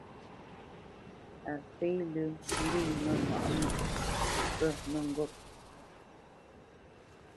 Á fê lə́ ŋgwə mə mâʼnə̌ pə̂ mə́ŋgôp.